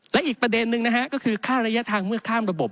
และอีกประเด็นนึงนะฮะก็คือค่าระยะทางเมื่อข้ามระบบ